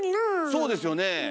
そうですよねえ。